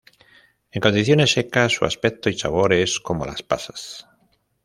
En condiciones secas, su aspecto y sabor es como las pasas.